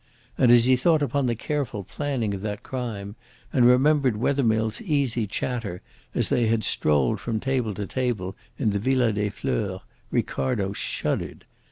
And as he thought upon the careful planning of that crime, and remembered Wethermill's easy chatter as they had strolled from table to table in the Villa des Fleurs, Ricardo shuddered.